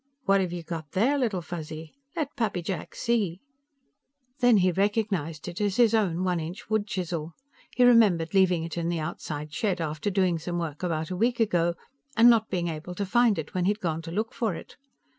"What have you got there, Little Fuzzy? Let Pappy Jack see?" Then he recognized it as his own one inch wood chisel. He remembered leaving it in the outside shed after doing some work about a week ago, and not being able to find it when he had gone to look for it.